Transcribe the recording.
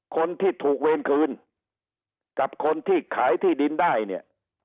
คนที่ถูกเวรคืนกับคนที่ขายที่ดินได้เนี่ย